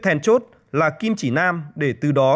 thèn chốt là kim chỉ nam để từ đó